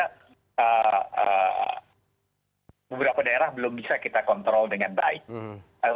tapi perubahan perilaku di daerah belum bisa kita kontrol dengan baik